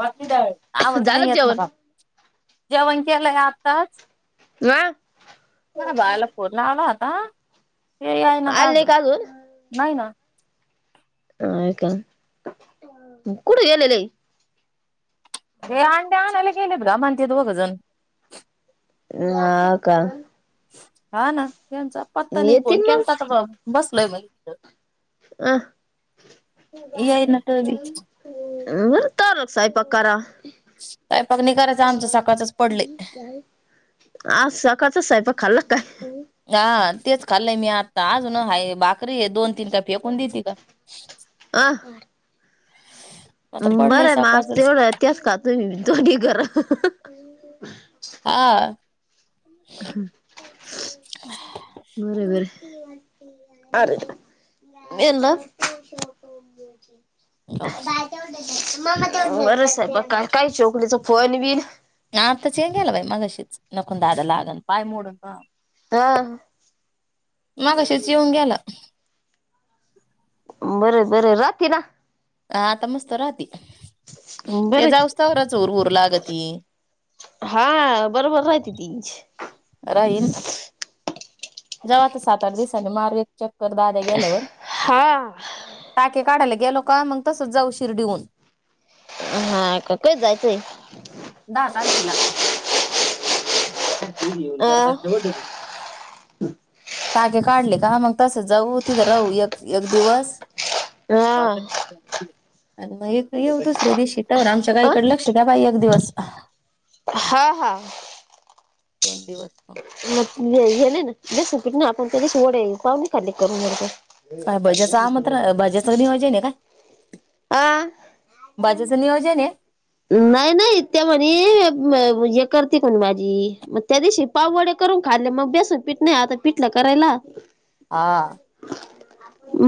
बाकी आवाज झालं नाही का येत ना जेवण बा. जेवण केलंय आताच. [inaudible] ह बाला फोन लावला होता ते यायना आता आलं नाही अजून. का नाही ना. अय का कुठ गेलेले. ते अंड्या आणला गेलेत गा म्हणतीेत दोघं जण. [inaudible] का. हा ना त्यांचा पत्ता नाही फोन येतील मग केलता बसलय म्हन तिथ. अ. येई ना कधी बरं तवरन स्वयंपाक करा. स्वयंपाक नाय करायचा आमचं सकाळचच पडलय. आ सकाळचाच स्वयंपाक खाल्ला काय? हा तेच खाल्लय मी आत्ता अजून हाय भाकरी आहे दोन तीन का फेकून देते आता. अ. आता बरं पडलंय आहे मास् सकाळचच एवढंतिस त्याच खातय दोघी करा. आ. बरोबर. अरे. [unintelligible] बरंहे स्वयंपाक काय काय चोकरीचा फोन बीन. आता चेन गेला बाई मगाशीच नको दादा लागण पाय मोडून. ह्म्म. मघाशीच येऊन गेला. बरं बरं राहती ना. ह आता मस्त राहती की ते बरं जाव स्तवर च उर ऊर लागती. हा बरोबर राहती ती. राहिन. जाव आता सात आठ दिवसांनी मारु एक चक्कर दाद्या गेल्यावर. हा. टाके काढायला गेलो का मग तसंच जाऊ शिर्डीहून. हा का कधी जायचंय. दहा तारखेला, बारा तारीख आहे, अ तेरा तारखेवर. [inaudible] टाके काढले का मग तसचं जाऊ, तिथं राहू एक एक दिवस बारा हा तारीख. आणि मग एक येऊ दुसऱ्या दिवशी तोवर आमच्या अ गाईकडं लक्ष द्या बाई एक दिवस. हा हा. दोन दिवस मग. मग ने गेले ना ज सुकीट ना आपण त्या दिवशी वडे पाव नाही खाले करून. [inaudible] काय भज्याच आमंत्रण, भाज्याचं नियोजन आहे का? आ. भाज्याचं नियोजन ये? नाही, नाही त्या म्हणे हे करती का म्हणे भाजी मग त्या दिवशी पाव वडे करून खाल्ले मग बेसन पिठं नाही आता, पिठलं करायला. हा,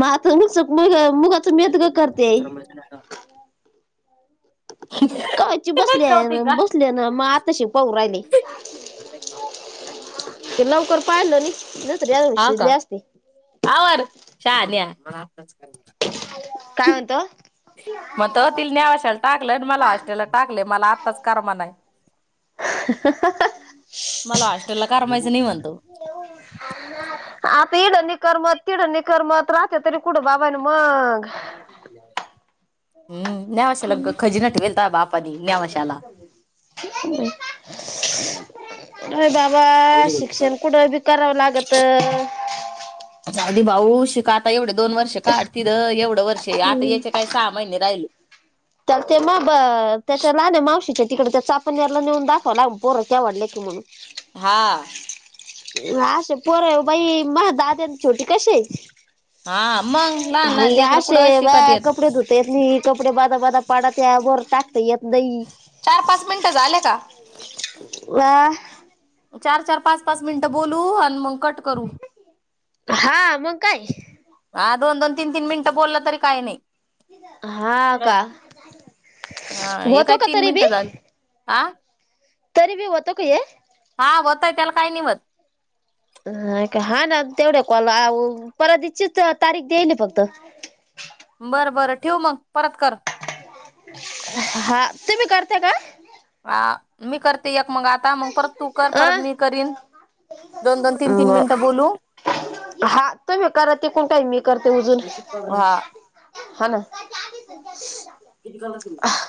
म आता नुस्तं मुग-मुग [unintelligible] कायची बसली आहे ना, कौतिक का बसले ना म आताशी होवू राहीले, ते लवकर पाहिलं नी तरी आजुन हा शिजले का आसते. आवर शाहण्या, मला आताच करायचंय. काय म्हणतो? म्हणतो तिला नेवाश्याला टाकलं आन् मला हॉस्टेलला टाकलंय मला आत्ताच करमना. मला हॉस्टेल ला करमायचं नाही म्हणतो. [inaudible] आता इडं नही करमत तिडं नही करमत, राहत्या तरी कुठं बाबानो मगं? नेवाश्याला हम, नेवाश्याला ला का खजिना ठेवेलं ये तुवा बाप? [inaudible] म्हणजे बाबा शिक्षण कुठं बी करावं लागतं. जाऊदे भाऊ शिक आता एवढं दोन वर्ष काढ तीदं एवढं वर्ष आहे आता याचे काय सहा महिने राहिले. त्याला त ते माग त्याच्या लहान्या मावशीच्या तिकडं त्या चापुण्याला नेऊन दाखवा लागल पोरं केवाढले की म्हणून हा, मं अशी पोरं हाय व बाई, मग दादया अन् छोटी कशी? हा मग लहान लहान हानगया लेकरं आशे कुठं शिकत बाया येत. कपडे धुत ते नी कपडे बदाबदा पडत्या, वर टाकता येत नई चार, पाच मिनिटं झाले का? व् चार- चार, पाच, पाच मिनिटं बोलू आन् मंग कट करु. हा, मग काय. हा दोन, दोन तीन, तीन मिनिटं बोलला तरी काय नाही. हा आणि काय? का हा हे होतो काय का तीन तरी बी मिनटं झाले, आ तरी बी होतं का हे? हा होतयं त्याला काय नाही व्हतं. हा का? हाना तेवढ्या कॉलला आवू परवा ची च तारीख देलंये फक्त. बरं -बरं ठेवु मग परत कर. हा, तूम्ही करत्या का? हा मी करते एक मगं आता, मगं परत तू कर, अ परत मी करीन. दोन-दोन, तीन- तीन ब मिनटं बोलू. हा तुम्ही करा तिकुन ताई, मी करते ऊजून, हा हा ना. [unintelligible]